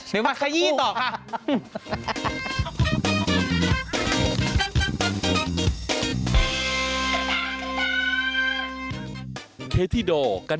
เดี๋ยวมาขยี้ต่อค่ะ